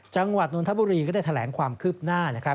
จังหวัดนนทบุรีก็ได้แถลงความคืบหน้านะครับ